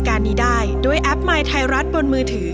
ก็ร้องได้ให้ร้าน